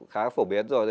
khá phổ biến rồi